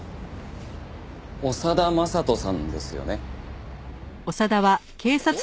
長田真人さんですよね？